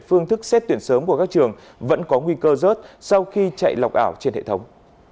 phương thức xét tuyển sớm của các trường vẫn có nguy cơ rớt sau khi chạy lọc ảo trên hệ thống